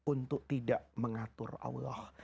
untuk tidak mengatur allah